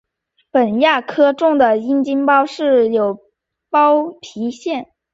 本亚科物种的阴茎包皮均有包皮腺。